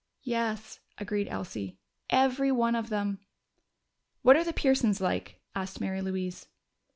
"Yes," agreed Elsie. "Every one of them!" "What are the Pearsons like?" asked Mary Louise.